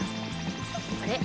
あれ？